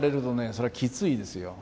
そりゃきついですよ。